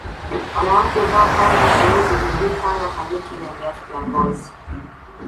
Wanawake huvaa kanzu shumizi buibui kanga kaniki na viatu vya ngozi